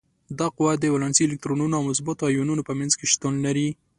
دا قوه د ولانسي الکترونونو او مثبتو ایونونو په منځ کې شتون لري.